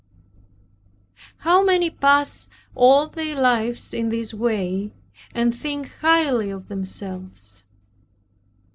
How many pass all their lives in this way, and think highly of themselves!